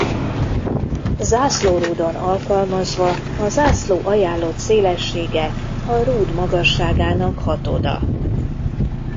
Zászlórúdon alkalmazva a zászló ajánlott szélessége a rúd magasságának hatoda.